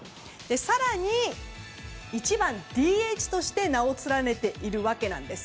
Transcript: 更に１番ＤＨとして名を連ねているわけです。